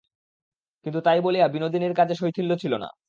কিন্তু তাই বলিয়া বিনোদিনীর কাজে শৈথিল্য ছিল না।